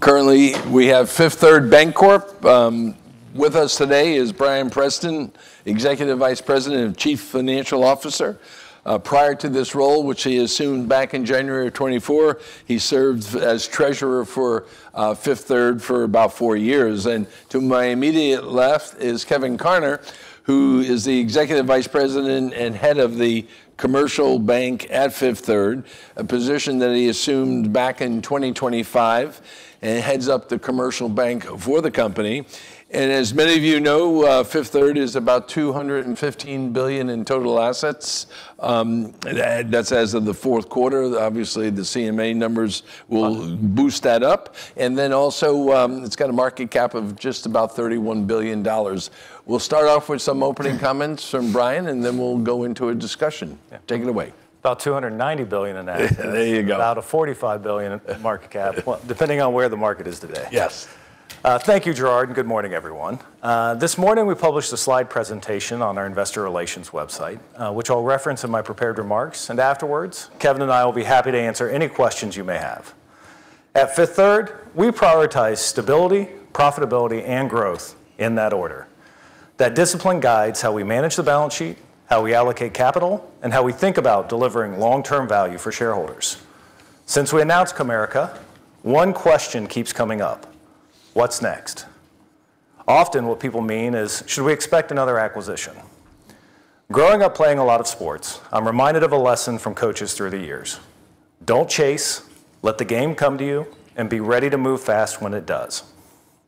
Currently, we have Fifth Third Bancorp. With us today is Bryan Preston, Executive Vice President and Chief Financial Officer. Prior to this role, which he assumed back in January of 2024, he served as treasurer for Fifth Third for about four years. To my immediate left is Kevin Karner, who is the Executive Vice President and Head of the Commercial Bank at Fifth Third, a position that he assumed back in 2025, and heads up the commercial bank for the company. As many of you know, Fifth Third is about $215 billion in total assets, that's as of the fourth quarter. Obviously, the CECL numbers will boost that up. It's got a market cap of just about $31 billion. We'll start off with some opening comments from Bryan, and then we'll go into a discussion. Yeah. Take it away. About $290 billion in assets. There you go. About a $45 billion market cap, depending on where the market is today. Yes. Thank you, Gerard, and good morning, everyone. This morning we published a slide presentation on our investor relations website, which I'll reference in my prepared remarks. Afterwards, Kevin and I will be happy to answer any questions you may have. At Fifth Third, we prioritize stability, profitability, and growth in that order. That discipline guides how we manage the balance sheet, how we allocate capital, and how we think about delivering long-term value for shareholders. Since we announced Comerica, one question keeps coming up, "What's next?" Often, what people mean is, should we expect another acquisition? Growing up playing a lot of sports, I'm reminded of a lesson from coaches through the years, "Don't chase. Let the game come to you, and be ready to move fast when it does."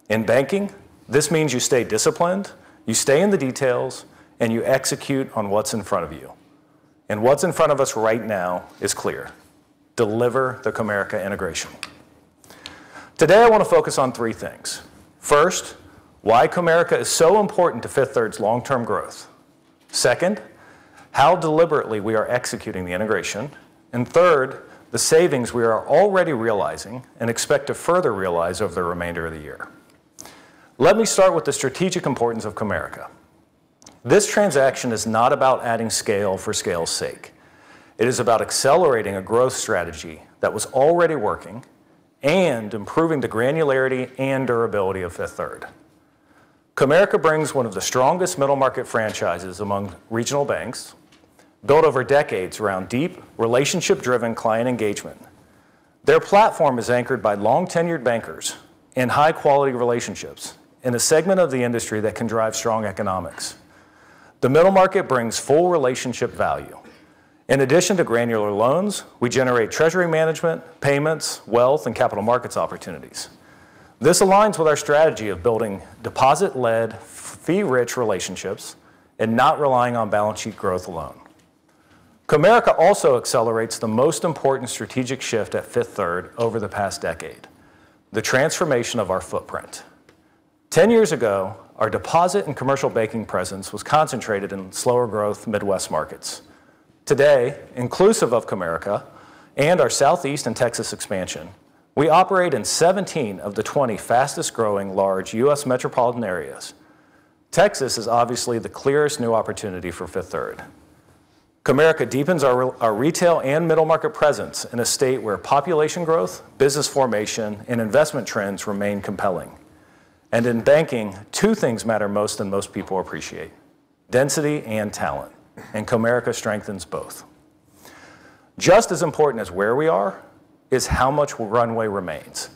In banking, this means you stay disciplined, you stay in the details, and you execute on what's in front of you. What's in front of us right now is clear. Deliver the Comerica integration. Today, I wanna focus on three things. First, why Comerica is so important to Fifth Third's long-term growth. Second, how deliberately we are executing the integration. Third, the savings we are already realizing and expect to further realize over the remainder of the year. Let me start with the strategic importance of Comerica. This transaction is not about adding scale for scale's sake. It is about accelerating a growth strategy that was already working and improving the granularity and durability of Fifth Third. Comerica brings one of the strongest middle market franchises among regional banks, built over decades around deep, relationship-driven client engagement. Their platform is anchored by long-tenured bankers and high-quality relationships in a segment of the industry that can drive strong economics. The middle market brings full relationship value. In addition to granular loans, we generate treasury management, payments, wealth, and capital markets opportunities. This aligns with our strategy of building deposit-led, fee-rich relationships and not relying on balance sheet growth alone. Comerica also accelerates the most important strategic shift at Fifth Third over the past decade, the transformation of our footprint. 10 years ago, our deposit and commercial banking presence was concentrated in slower growth Midwest markets. Today, inclusive of Comerica and our Southeast and Texas expansion, we operate in 17 of the 20 fastest-growing large U.S. metropolitan areas. Texas is obviously the clearest new opportunity for Fifth Third. Comerica deepens our retail and middle market presence in a state where population growth, business formation, and investment trends remain compelling. In banking, two things matter more than most people appreciate, density and talent, and Comerica strengthens both. Just as important as where we are is how much runway remains.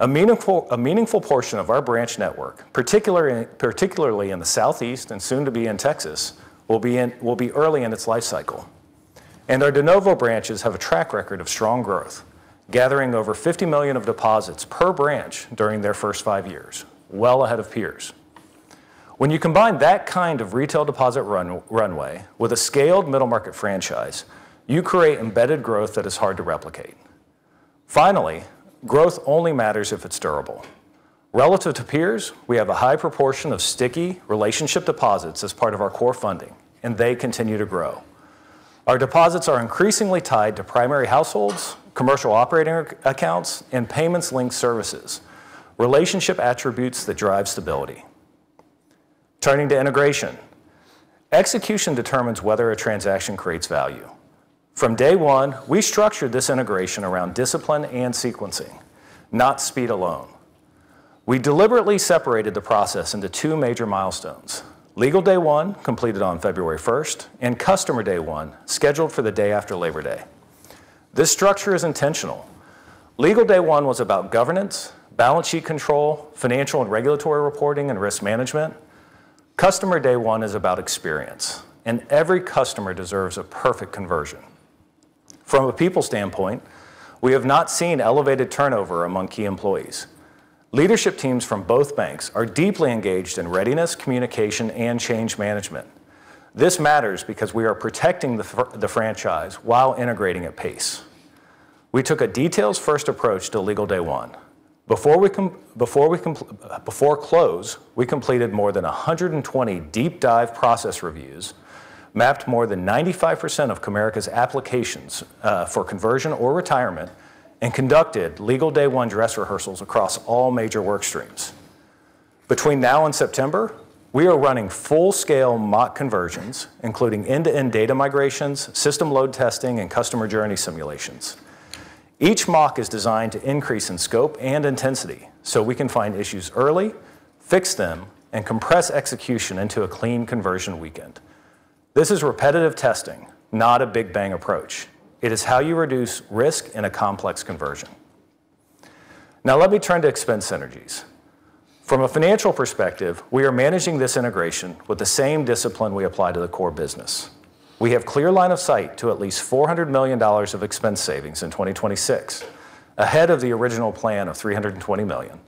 A meaningful portion of our branch network, particularly in the Southeast and soon to be in Texas, will be early in its life cycle. Our de novo branches have a track record of strong growth, gathering over $50 million of deposits per branch during their first five years, well ahead of peers. When you combine that kind of retail deposit runway with a scaled middle market franchise, you create embedded growth that is hard to replicate. Finally, growth only matters if it's durable. Relative to peers, we have a high proportion of sticky relationship deposits as part of our core funding, and they continue to grow. Our deposits are increasingly tied to primary households, commercial operating accounts, and payment-linked services, relationship attributes that drive stability. Turning to integration. Execution determines whether a transaction creates value. From day one, we structured this integration around discipline and sequencing, not speed alone. We deliberately separated the process into two major milestones. Legal Day One, completed on February first, and Customer Day One, scheduled for the day after Labor Day. This structure is intentional. Legal Day One was about governance, balance sheet control, financial and regulatory reporting, and risk management. Customer Day One is about experience, and every customer deserves a perfect conversion. From a people standpoint, we have not seen elevated turnover among key employees. Leadership teams from both banks are deeply engaged in readiness, communication, and change management. This matters because we are protecting the franchise while integrating at pace. We took a details first approach to Legal Day One. Before close, we completed more than 120 deep dive process reviews, mapped more than 95% of Comerica's applications for conversion or retirement, and conducted Legal Day One dress rehearsals across all major work streams. Between now and September, we are running full-scale mock conversions, including end-to-end data migrations, system load testing, and customer journey simulations. Each mock is designed to increase in scope and intensity so we can find issues early, fix them, and compress execution into a clean conversion weekend. This is repetitive testing, not a big bang approach. It is how you reduce risk in a complex conversion. Now let me turn to expense synergies. From a financial perspective, we are managing this integration with the same discipline we apply to the core business. We have clear line of sight to at least $400 million of expense savings in 2026, ahead of the original plan of $320 million.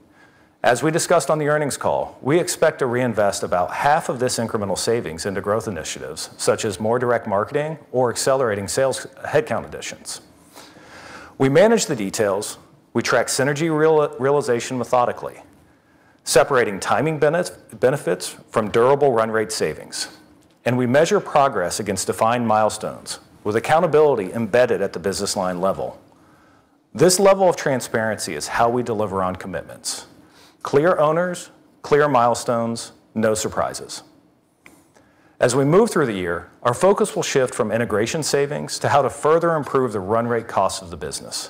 As we discussed on the earnings call, we expect to reinvest about half of this incremental savings into growth initiatives, such as more direct marketing or accelerating sales headcount additions. We manage the details. We track synergy realization methodically, separating timing benefits from durable run rate savings. We measure progress against defined milestones with accountability embedded at the business line level. This level of transparency is how we deliver on commitments. Clear owners, clear milestones, no surprises. As we move through the year, our focus will shift from integration savings to how to further improve the run rate cost of the business.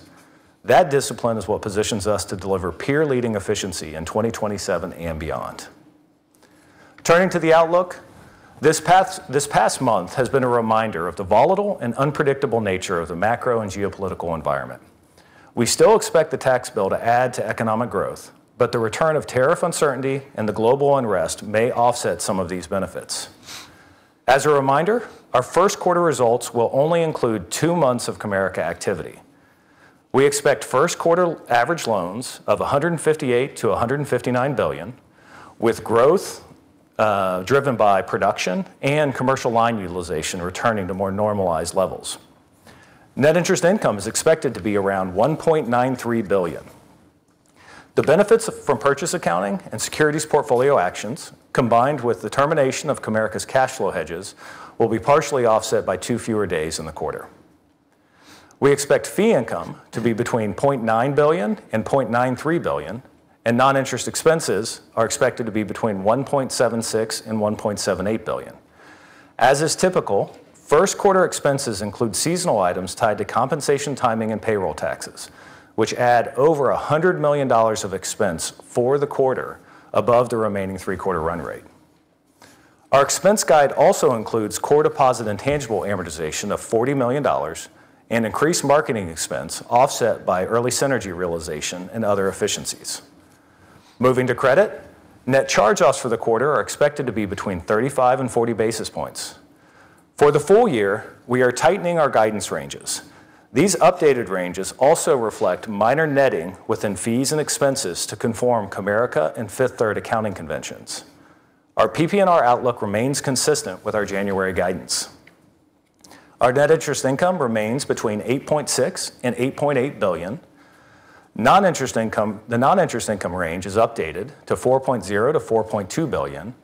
That discipline is what positions us to deliver peer-leading efficiency in 2027 and beyond. Turning to the outlook, this past month has been a reminder of the volatile and unpredictable nature of the macro and geopolitical environment. We still expect the tax bill to add to economic growth, but the return of tariff uncertainty and the global unrest may offset some of these benefits. As a reminder, our first quarter results will only include two months of Comerica activity. We expect first quarter average loans of $158 billion-$159 billion, with growth driven by production and commercial line utilization returning to more normalized levels. Net interest income is expected to be around $1.93 billion. The benefits from purchase accounting and securities portfolio actions, combined with the termination of Comerica's cash flow hedges, will be partially offset by two fewer days in the quarter. We expect fee income to be between $0.9 billion and $0.93 billion, and non-interest expenses are expected to be between $1.76 billion and $1.78 billion. As is typical, first quarter expenses include seasonal items tied to compensation timing and payroll taxes, which add over $100 million of expense for the quarter above the remaining three-quarter run rate. Our expense guide also includes core deposit intangible amortization of $40 million and increased marketing expense offset by early synergy realization and other efficiencies. Moving to credit, net charge-offs for the quarter are expected to be between 35 and 40 basis points. For the full year, we are tightening our guidance ranges. These updated ranges also reflect minor netting within fees and expenses to conform Comerica and Fifth Third accounting conventions. Our PPNR outlook remains consistent with our January guidance. Our net interest income remains between $8.6 billion and $8.8 billion. Non-interest income. The non-interest income range is updated to $4.0 billion-$4.2 billion,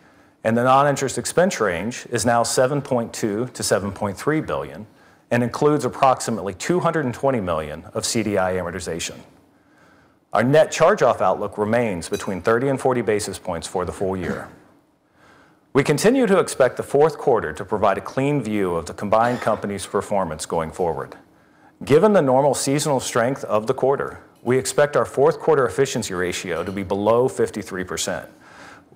and the non-interest expense range is now $7.2 billion-$7.3 billion and includes approximately $220 million of CDI amortization. Our net charge-off outlook remains between 30 and 40 basis points for the full year. We continue to expect the fourth quarter to provide a clean view of the combined company's performance going forward. Given the normal seasonal strength of the quarter, we expect our fourth quarter efficiency ratio to be below 53%,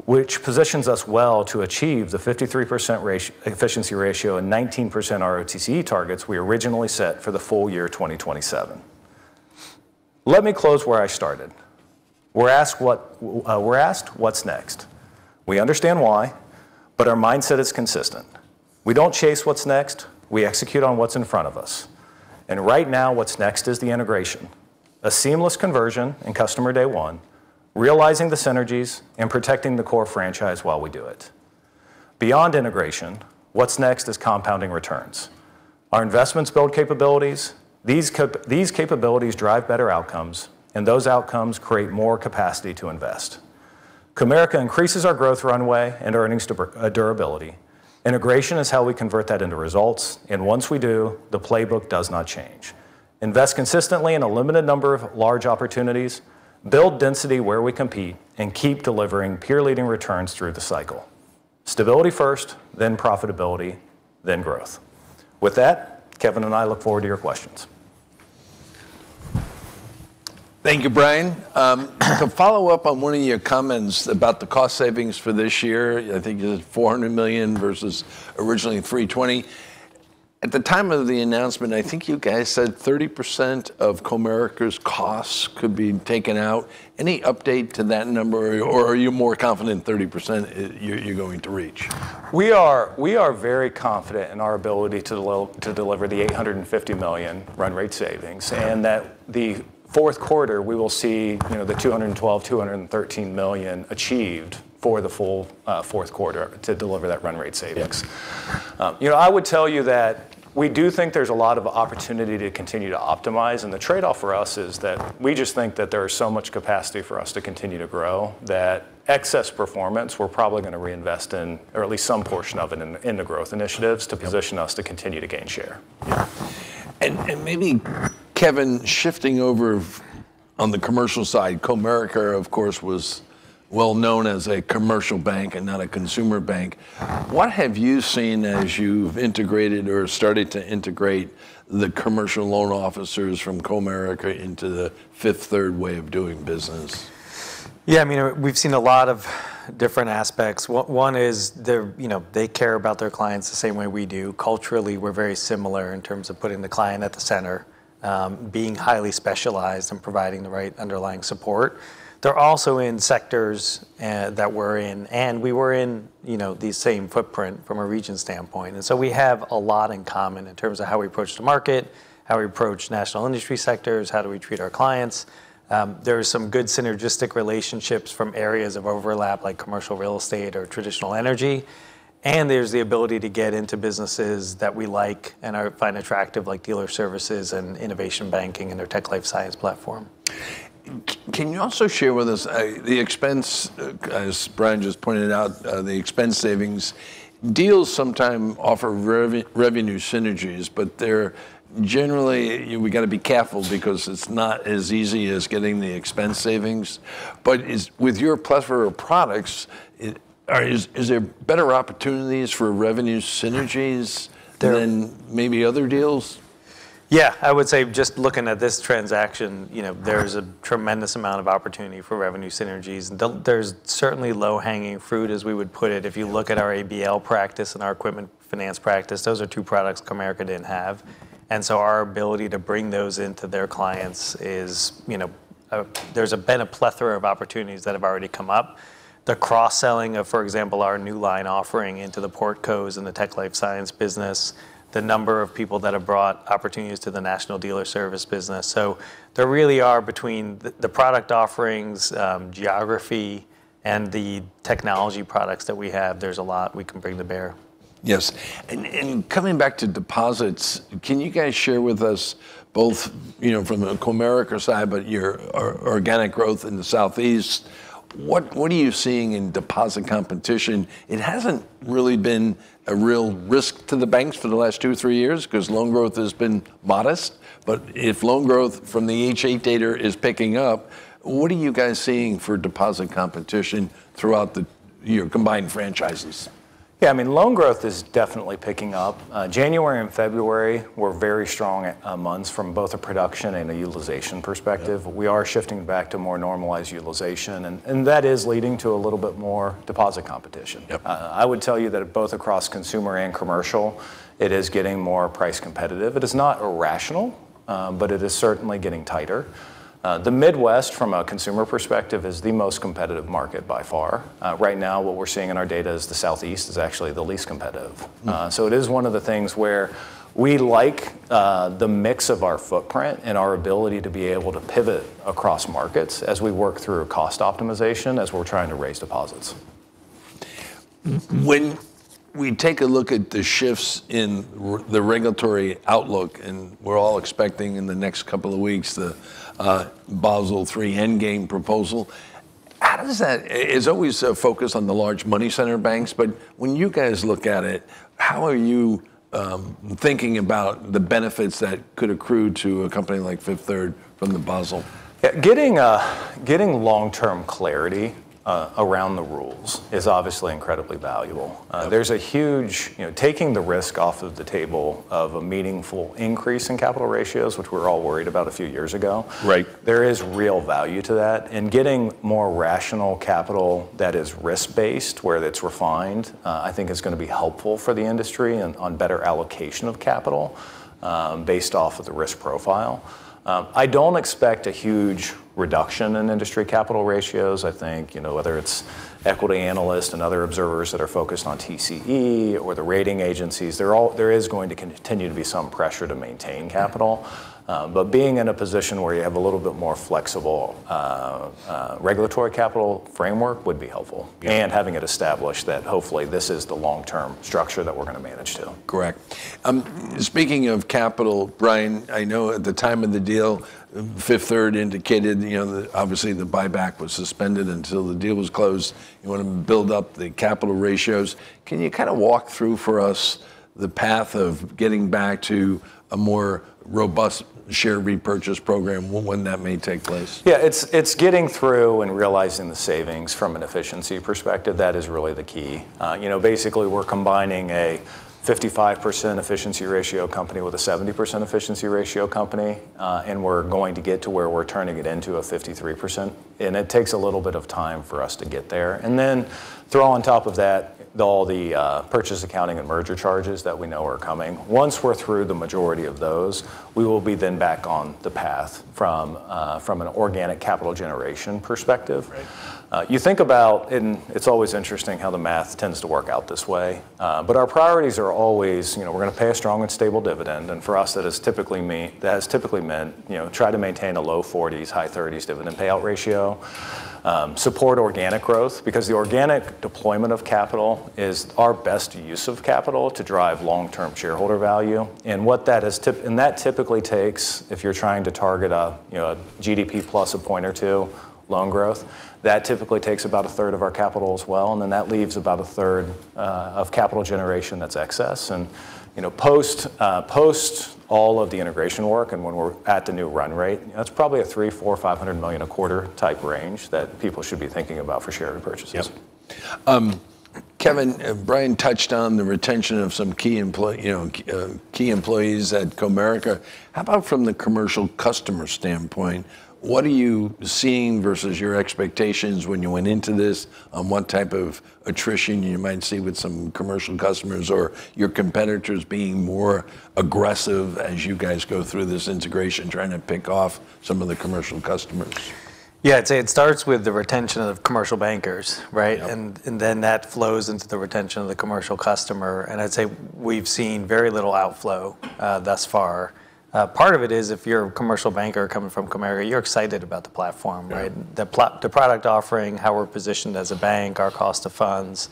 which positions us well to achieve the 53% efficiency ratio and 19% ROTCE targets we originally set for the full year 2027. Let me close where I started. We're asked what's next. We understand why, but our mindset is consistent. We don't chase what's next. We execute on what's in front of us. Right now, what's next is the integration. A seamless conversion in Customer Day One, realizing the synergies, and protecting the core franchise while we do it. Beyond integration, what's next is compounding returns. Our investments build capabilities. These capabilities drive better outcomes, and those outcomes create more capacity to invest. Comerica increases our growth runway and earnings durability. Integration is how we convert that into results, and once we do, the playbook does not change. Invest consistently in a limited number of large opportunities, build density where we compete, and keep delivering peer-leading returns through the cycle. Stability first, then profitability, then growth. With that, Kevin and I look forward to your questions. Thank you, Bryan. To follow up on one of your comments about the cost savings for this year, I think it was $400 million versus originally $320 million. At the time of the announcement, I think you guys said 30% of Comerica's costs could be taken out. Any update to that number? Or are you more confident in 30% you're going to reach? We are very confident in our ability to deliver the $850 million run rate savings. Okay. that the fourth quarter, we will see, you know, the $212 million-$213 million achieved for the full, fourth quarter to deliver that run rate savings. Yeah. You know, I would tell you that we do think there's a lot of opportunity to continue to optimize, and the trade-off for us is that we just think that there is so much capacity for us to continue to grow that excess performance we're probably gonna reinvest in, or at least some portion of it in, into growth initiatives to position us to continue to gain share. Yeah. Maybe Kevin shifting over. On the commercial side, Comerica, of course, was well known as a commercial bank and not a consumer bank. Mm. What have you seen as you've integrated or started to integrate the commercial loan officers from Comerica into the Fifth Third way of doing business? Yeah, I mean, we've seen a lot of different aspects. One is they're, you know, they care about their clients the same way we do. Culturally, we're very similar in terms of putting the client at the center, being highly specialized and providing the right underlying support. They're also in sectors that we're in and we were in, you know, the same footprint from a region standpoint. We have a lot in common in terms of how we approach the market, how we approach national industry sectors, how do we treat our clients. There are some good synergistic relationships from areas of overlap, like commercial real estate or traditional energy, and there's the ability to get into businesses that we like and find attractive, like dealer services and innovation banking and their tech life science platform. Can you also share with us the expense, as Bryan just pointed out, the expense savings. Deals sometimes offer revenue synergies, but they're generally, you know, we gotta be careful because it's not as easy as getting the expense savings. With your plethora of products, is there better opportunities for revenue synergies? There- than maybe other deals? Yeah. I would say just looking at this transaction, you know, there's a tremendous amount of opportunity for revenue synergies. There's certainly low-hanging fruit, as we would put it. If you look at our ABL practice and our Equipment Finance practice, those are two products Comerica didn't have. Our ability to bring those into their clients is, you know, there's been a plethora of opportunities that have already come up. The cross-selling of, for example, our Newline offering into the portcos and the tech life science business, the number of people that have brought opportunities to the national dealer service business. There really are between the product offerings, geography, and the technology products that we have, there's a lot we can bring to bear. Yes. Coming back to deposits, can you guys share with us both, you know, from a Comerica side, but your organic growth in the Southeast, what are you seeing in deposit competition? It hasn't really been a real risk to the banks for the last two, three years 'cause loan growth has been modest. If loan growth from the H.8 data is picking up, what are you guys seeing for deposit competition throughout your combined franchises? Yeah. I mean, loan growth is definitely picking up. January and February were very strong months from both a production and a utilization perspective. Yeah. We are shifting back to more normalized utilization, and that is leading to a little bit more deposit competition. Yep. I would tell you that both across consumer and commercial, it is getting more price competitive. It is not irrational, but it is certainly getting tighter. The Midwest from a consumer perspective is the most competitive market by far. Right now, what we're seeing in our data is the Southeast is actually the least competitive. Mm. It is one of the things where we like the mix of our footprint and our ability to be able to pivot across markets as we work through cost optimization, as we're trying to raise deposits. When we take a look at the shifts in the regulatory outlook, and we're all expecting in the next couple of weeks the Basel III Endgame proposal. How does that. It's always focused on the large money center banks, but when you guys look at it, how are you thinking about the benefits that could accrue to a company like Fifth Third from the Basel? Yeah. Getting long-term clarity around the rules is obviously incredibly valuable. There's a huge, you know, taking the risk off of the table of a meaningful increase in capital ratios, which we're all worried about a few years ago. Right There is real value to that. Getting more rational capital that is risk-based, where it's refined, I think is gonna be helpful for the industry on better allocation of capital, based off of the risk profile. I don't expect a huge reduction in industry capital ratios. I think, you know, whether it's equity analysts and other observers that are focused on TCE or the rating agencies, they're all, there is going to continue to be some pressure to maintain capital. Being in a position where you have a little bit more flexible regulatory capital framework would be helpful. Yeah. Having it established that hopefully this is the long-term structure that we're gonna manage to. Correct. Speaking of capital, Bryan, I know at the time of the deal, Fifth Third indicated, you know, the, obviously the buyback was suspended until the deal was closed. You want to build up the capital ratios. Can you kind of walk through for us the path of getting back to a more robust share repurchase program, when that may take place? Yeah. It's getting through and realizing the savings from an efficiency perspective. That is really the key. You know, basically we're combining a 55% efficiency ratio company with a 70% efficiency ratio company, and we're going to get to where we're turning it into a 53%, and it takes a little bit of time for us to get there. Then throw on top of that all the purchase accounting and merger charges that we know are coming. Once we're through the majority of those, we will be then back on the path from an organic capital generation perspective. Right. You think about. It's always interesting how the math tends to work out this way. Our priorities are always, you know, we're gonna pay a strong and stable dividend, and for us, that has typically meant, you know, try to maintain a low 40s, high 30s dividend payout ratio. Support organic growth because the organic deployment of capital is our best use of capital to drive long-term shareholder value. That typically takes, if you're trying to target a, you know, a GDP plus a point or two loan growth, that typically takes about a third of our capital as well, and then that leaves about a third of capital generation that's excess. You know, post all of the integration work and when we're at the new run rate, you know, that's probably a $300-$500 million a quarter type range that people should be thinking about for share repurchases. Yep. Kevin, Bryan touched on the retention of some key, you know, employees at Comerica. How about from the commercial customer standpoint? What are you seeing versus your expectations when you went into this on what type of attrition you might see with some commercial customers or your competitors being more aggressive as you guys go through this integration, trying to pick off some of the commercial customers? Yeah, I'd say it starts with the retention of commercial bankers, right? Yeah. that flows into the retention of the commercial customer, and I'd say we've seen very little outflow thus far. Part of it is if you're a commercial banker coming from Comerica, you're excited about the platform, right? Yeah. The product offering, how we're positioned as a bank, our cost of funds,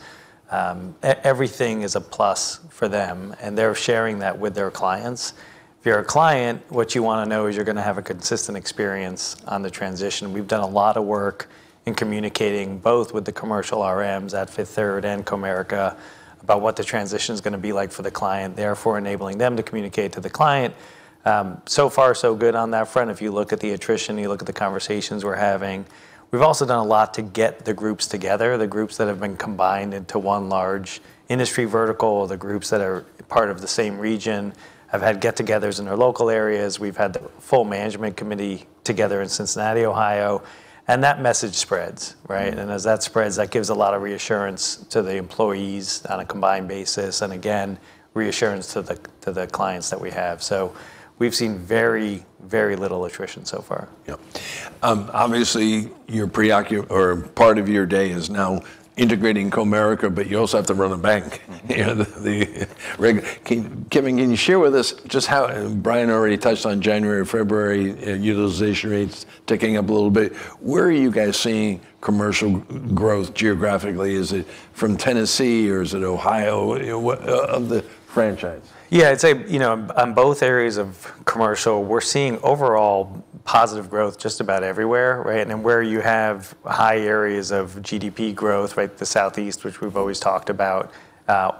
everything is a plus for them, and they're sharing that with their clients. If you're a client, what you wanna know is you're gonna have a consistent experience on the transition. We've done a lot of work in communicating both with the commercial RMs at Fifth Third and Comerica about what the transition's gonna be like for the client, therefore enabling them to communicate to the client. So far so good on that front if you look at the attrition, you look at the conversations we're having. We've also done a lot to get the groups together, the groups that have been combined into one large industry vertical, or the groups that are part of the same region have had get-togethers in their local areas. We've had the full management committee together in Cincinnati, Ohio, and that message spreads, right? Mm-hmm. As that spreads, that gives a lot of reassurance to the employees on a combined basis, and again, reassurance to the clients that we have. We've seen very, very little attrition so far. Yep. Obviously, part of your day is now integrating Comerica, but you also have to run a bank. You know, Kevin, can you share with us just how, and Bryan already touched on January and February, utilization rates ticking up a little bit. Where are you guys seeing commercial growth geographically? Is it from Tennessee or is it Ohio? You know, what of the franchise? Yeah. I'd say, you know, on both areas of commercial, we're seeing overall positive growth just about everywhere, right? Where you have high areas of GDP growth, right, the Southeast, which we've always talked about,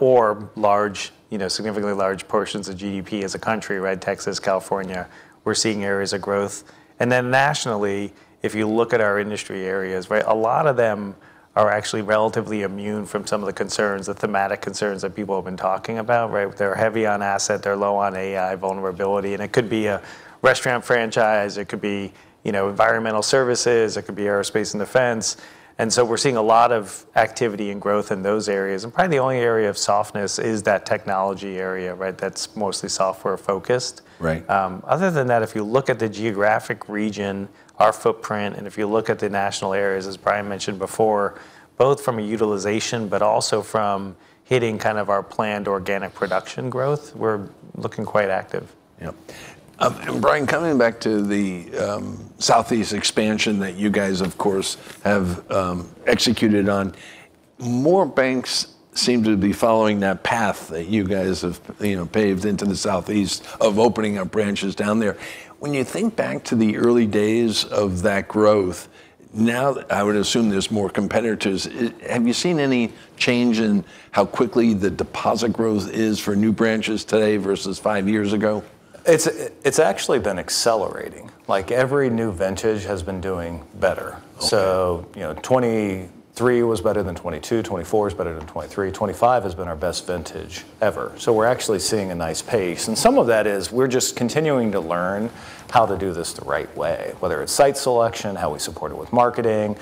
or large, you know, significantly large portions of GDP as a country, right, Texas, California, we're seeing areas of growth. Then nationally, if you look at our industry areas, right, a lot of them are actually relatively immune from some of the concerns, the thematic concerns that people have been talking about, right? They're heavy on asset, they're low on AI vulnerability, and it could be a restaurant franchise, it could be, you know, environmental services, it could be aerospace and defense. So we're seeing a lot of activity and growth in those areas. Probably the only area of softness is that technology area, right? That's mostly software focused. Right. Other than that, if you look at the geographic region, our footprint, and if you look at the national areas, as Bryan mentioned before, both from a utilization but also from hitting kind of our planned organic production growth, we're looking quite active. Yep. Bryan, coming back to the southeast expansion that you guys of course have executed on, more banks seem to be following that path that you guys have, you know, paved into the southeast of opening up branches down there. When you think back to the early days of that growth, now I would assume there's more competitors. Have you seen any change in how quickly the deposit growth is for new branches today versus five years ago? It's actually been accelerating. Like, every new vintage has been doing better. Okay. You know, 2023 was better than 2022, 2024 is better than 2023. 2025 has been our best vintage ever. We're actually seeing a nice pace, and some of that is we're just continuing to learn how to do this the right way, whether it's site selection, how we support it with marketing,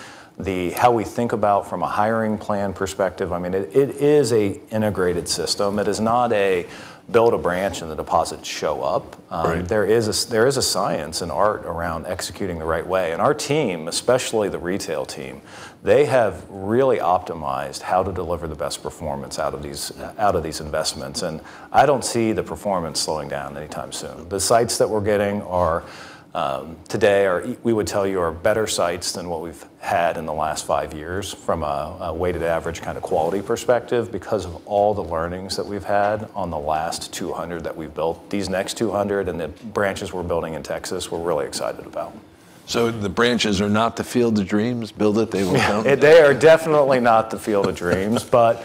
how we think about from a hiring plan perspective. I mean, it is an integrated system. It is not to build a branch and the deposits show up. Right. There is a science and art around executing the right way, and our team, especially the retail team, they have really optimized how to deliver the best performance out of these investments, and I don't see the performance slowing down anytime soon. The sites that we're getting today we would tell you are better sites than what we've had in the last five years from a weighted average kind of quality perspective because of all the learnings that we've had on the last 200 that we've built. These next 200 and the branches we're building in Texas, we're really excited about. The branches are not the field of dreams? Build it, they will come. They are definitely not the field of dreams, but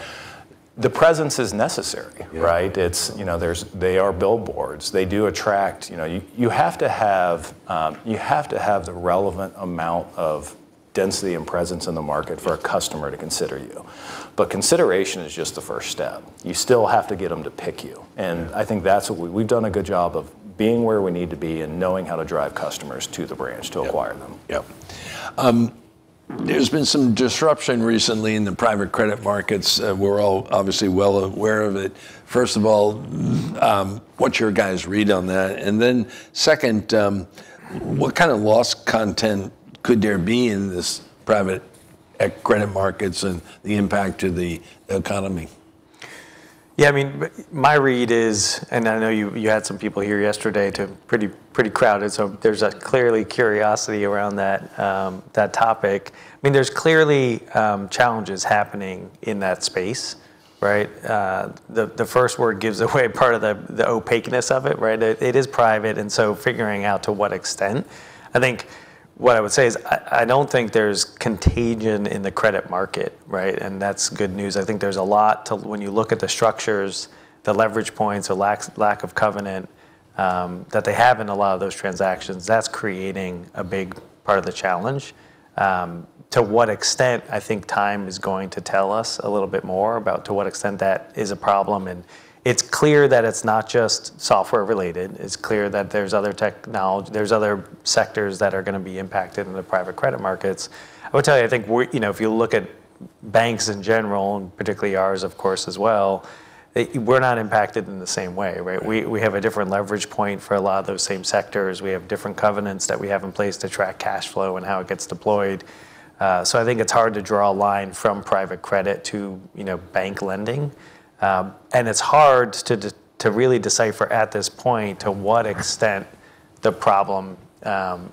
the presence is necessary, right? Yeah. It's you know they are billboards. They do attract. You know you have to have the relevant amount of density and presence in the market for a customer to consider you. Consideration is just the first step. You still have to get them to pick you. Yeah. I think that's what we've done a good job of being where we need to be and knowing how to drive customers to the branch to acquire them. Yep. There's been some disruption recently in the private credit markets. We're all obviously well aware of it. First of all, what's your guys' read on that? Then second, what kind of loss content could there be in this private credit markets and the impact to the economy? Yeah, I mean, my read is, I know you had some people here yesterday. It was pretty crowded, so there's clearly a curiosity around that topic. I mean, there's clearly challenges happening in that space, right? The first word gives away part of the opaqueness of it, right? It is private, so figuring out to what extent. I think what I would say is I don't think there's contagion in the credit market, right? That's good news. I think there's a lot to, when you look at the structures, the leverage points, the lack of covenant that they have in a lot of those transactions, that's creating a big part of the challenge. To what extent, I think time is going to tell us a little bit more about to what extent that is a problem. It's clear that it's not just software related. It's clear that there's other technology, there's other sectors that are gonna be impacted in the private credit markets. I would tell you, I think we're, you know, if you look at- Banks in general, and particularly ours, of course, as well, we're not impacted in the same way, right? Yeah. We have a different leverage point for a lot of those same sectors. We have different covenants that we have in place to track cash flow and how it gets deployed. I think it's hard to draw a line from private credit to, you know, bank lending. It's hard to really decipher at this point to what extent the problem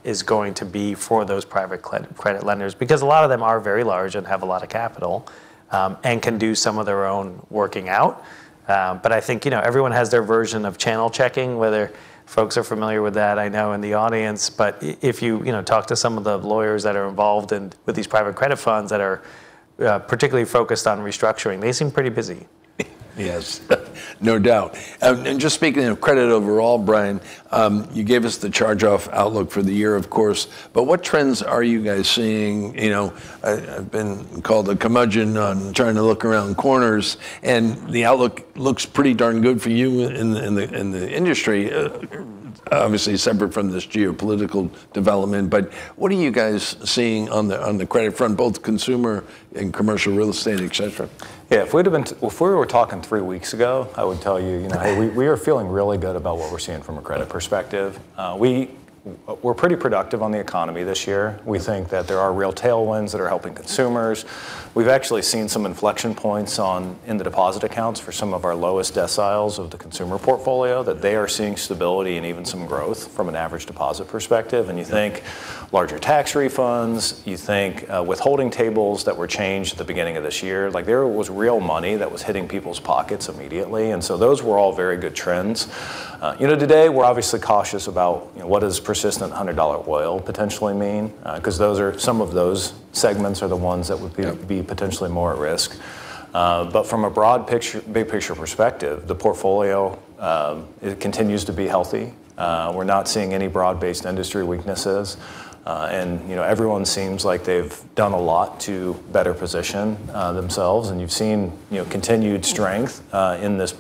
is going to be for those private credit lenders, because a lot of them are very large and have a lot of capital, and can do some of their own working out. I think, you know, everyone has their version of channel checking, whether folks are familiar with that I know in the audience, but if you know, talk to some of the lawyers that are involved in, with these private credit funds that are, particularly focused on restructuring, they seem pretty busy. Yes. No doubt. Just speaking of credit overall, Bryan, you gave us the charge-off outlook for the year, of course. What trends are you guys seeing? You know, I've been called a curmudgeon on trying to look around corners, and the outlook looks pretty darn good for you in the industry, obviously separate from this geopolitical development. What are you guys seeing on the credit front, both consumer and commercial real estate, et cetera? If we were talking three weeks ago, I would tell you know, hey, we are feeling really good about what we're seeing from a credit perspective. We're pretty positive on the economy this year. Yeah. We think that there are real tailwinds that are helping consumers. We've actually seen some inflection points in the deposit accounts for some of our lowest deciles of the consumer portfolio, that they are seeing stability and even some growth from an average deposit perspective. Yeah. You think larger tax refunds, you think, withholding tables that were changed at the beginning of this year. Like, there was real money that was hitting people's pockets immediately, and so those were all very good trends. You know, today we're obviously cautious about, you know, what does persistent $100 oil potentially mean? 'Cause those are, some of those segments are the ones that would be- Yeah Be potentially more at risk. From a broad picture, big picture perspective, the portfolio it continues to be healthy. We're not seeing any broad-based industry weaknesses. You know, everyone seems like they've done a lot to better position themselves, and you've seen, you know, continued strength in this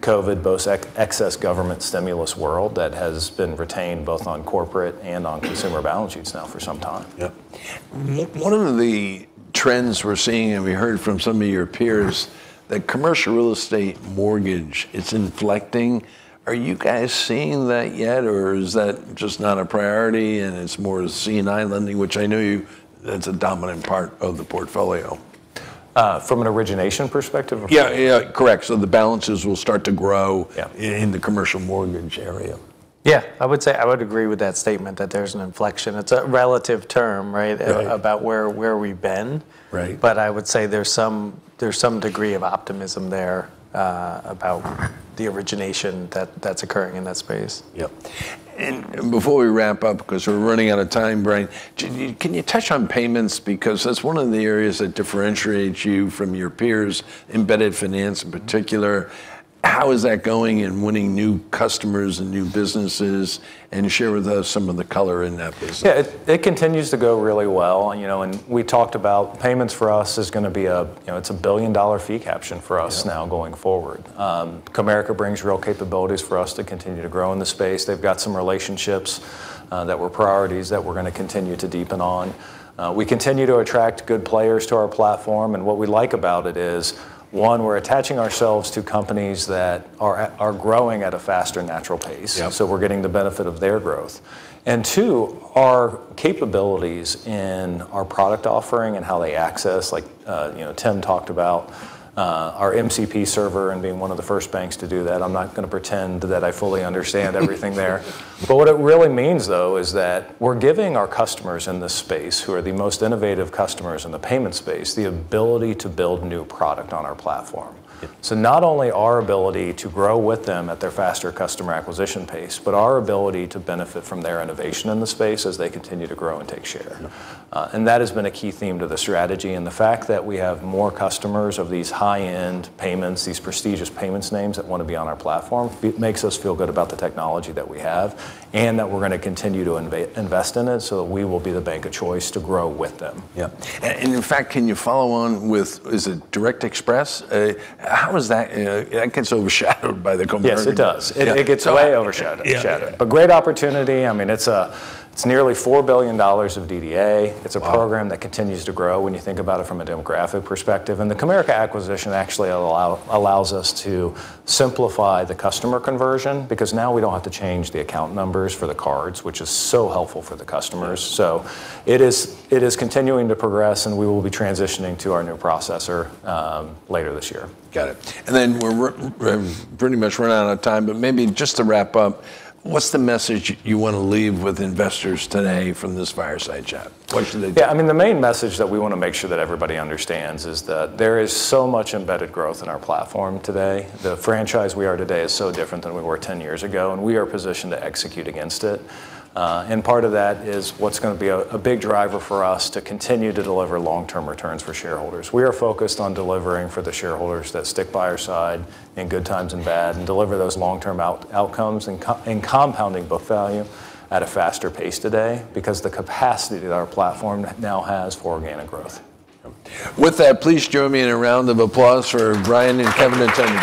post-COVID, post-excess government stimulus world that has been retained both on corporate and on consumer balance sheets now for some time. Yep. One of the trends we're seeing, and we heard from some of your peers, that commercial real estate mortgage, it's inflecting. Are you guys seeing that yet, or is that just not a priority and it's more C&I lending, which I know you, that's a dominant part of the portfolio? From an origination perspective. Yeah, yeah. Correct. The balances will start to grow. Yeah in the commercial mortgage area. Yeah. I would say, I would agree with that statement that there's an inflection. It's a relative term, right? Right about where we've been. Right. I would say there's some degree of optimism there about the origination that's occurring in that space. Yep. Before we wrap up, because we're running out of time, Bryan, can you touch on payments? Because that's one of the areas that differentiates you from your peers, embedded finance in particular. How is that going in winning new customers and new businesses? Share with us some of the color in that business. Yeah, it continues to go really well. You know, we talked about payments for us is gonna be a, you know, it's a $1 billion fee caption for us. Yeah Now going forward. Comerica brings real capabilities for us to continue to grow in the space. They've got some relationships that were priorities that we're gonna continue to deepen on. We continue to attract good players to our platform, and what we like about it is, one, we're attaching ourselves to companies that are growing at a faster natural pace. Yeah. We're getting the benefit of their growth. Two, our capabilities in our product offering and how they access, like, you know, Tim talked about our MCP server and being one of the first banks to do that. I'm not gonna pretend that I fully understand everything there. What it really means though is that we're giving our customers in this space, who are the most innovative customers in the payment space, the ability to build new product on our platform. Yeah. Not only our ability to grow with them at their faster customer acquisition pace, but our ability to benefit from their innovation in the space as they continue to grow and take share. Yeah. That has been a key theme to the strategy, and the fact that we have more customers of these high-end payments, these prestigious payments names that wanna be on our platform makes us feel good about the technology that we have and that we're gonna continue to invest in it, so we will be the bank of choice to grow with them. Yeah. In fact, can you follow on with, is it Direct Express? How is that gets overshadowed by the conversion. Yes, it does. Yeah. It gets way overshadowed. Yeah. Great opportunity. I mean, it's nearly $4 billion of DDA. Wow. It's a program that continues to grow when you think about it from a demographic perspective, and the Comerica acquisition actually allows us to simplify the customer conversion, because now we don't have to change the account numbers for the cards, which is so helpful for the customers. Yeah. It is continuing to progress, and we will be transitioning to our new processor later this year. Got it. We're pretty much run out of time, but maybe just to wrap up, what's the message you want to leave with investors today from this Fireside Chat? What should they do? Yeah, I mean, the main message that we want to make sure that everybody understands is that there is so much embedded growth in our platform today. The franchise we are today is so different than we were 10 years ago, and we are positioned to execute against it. Part of that is what's gonna be a big driver for us to continue to deliver long-term returns for shareholders. We are focused on delivering for the shareholders that stick by our side in good times and bad, and deliver those long-term outcomes, and compounding book value at a faster pace today because the capacity that our platform now has for organic growth. With that, please join me in a round of applause for Bryan and Kevin and Tim.